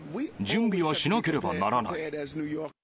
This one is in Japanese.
準備はしなければならない。